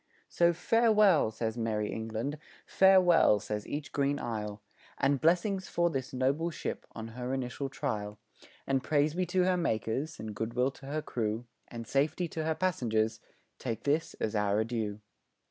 So "farewell," says merry England, "farewell" says each green isle, "And blessings for this noble ship on her initial trial, And praise be to her makers, and good will to her crew, And safety to her passengers" take this as our adieu.